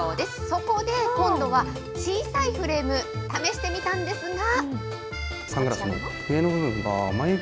そこで、今度は小さいフレーム、試してみたんですが。